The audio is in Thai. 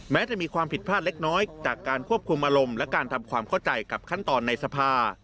จะมีความผิดพลาดเล็กน้อยจากการควบคุมอารมณ์และการทำความเข้าใจกับขั้นตอนในสภา